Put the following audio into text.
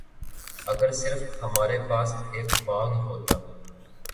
اگر صرف ہمارے پاس ایک باغ ہوتا